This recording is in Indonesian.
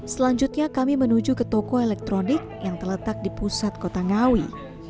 selanjutnya kami menuju ke toko elektronik yang terletak di pusat kota ngawi